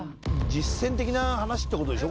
実戦的な話ってことでしょ